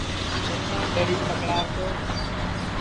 چیتن دؔڑی پکڑاو تو